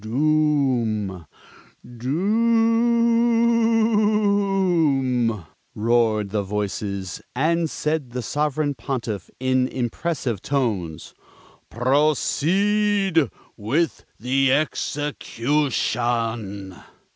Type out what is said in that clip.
"Doom, do o o oom!" roared the voices; and said the Sovereign Pontiff in impressive tones, "Proceed with the execution!"